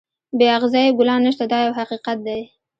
بې اغزیو ګلان نشته دا یو حقیقت دی.